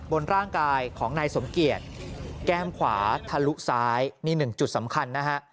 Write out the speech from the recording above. บนร่างกายของนายสมเกียจแก้มขวาทะลุซ้ายมีหนึ่งจุดสำคัญนะฮะ